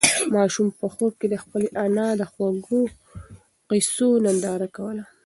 ماشوم په خوب کې د خپلې انا د خوږو قېصو ننداره کوله.